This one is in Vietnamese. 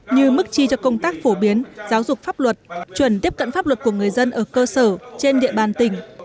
như mức chi cho công tác phổ biến giáo dục pháp luật chuẩn tiếp cận pháp luật của người dân ở cơ sở trên địa bàn tỉnh